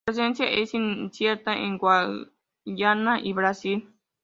Su presencia es incierta en Guyana y Brasil.